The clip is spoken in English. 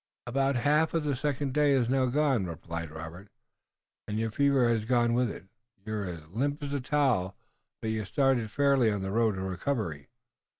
"About half of the second day is now gone," replied Robert, "and your fever has gone with it. You're as limp as a towel, but you're started fairly on the road to recovery."